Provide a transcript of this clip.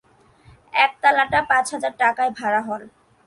একতলাটা পাঁচ হাজার টাকায় ভাড়া হল।